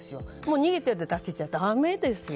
逃げているだけじゃダメですよ。